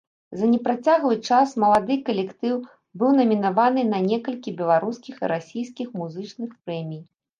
За непрацяглы час малады калектыў быў намінаваны на некалькі беларускіх і расійскіх музычных прэмій.